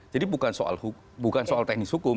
jadi bukan soal teknis hukum